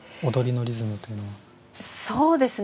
そうですね。